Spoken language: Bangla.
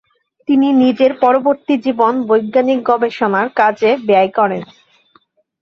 তিনি নিজের পরবর্তী জীবন বৈজ্ঞানিক গবেষণার কাজে ব্যয় করেন।